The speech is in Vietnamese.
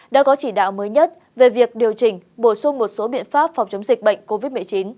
đã có chỉ đạo mới nhất về việc điều chỉnh bổ sung một số biện pháp phòng chống dịch bệnh covid một mươi chín